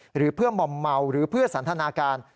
หรือเพื่อมอมเมาหรือเพื่อสันทนาการ